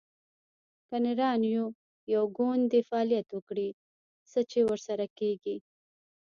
که نران یو، یو ګوند دې فعالیت وکړي؟ چې څه ورسره کیږي